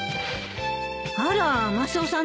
あらマスオさん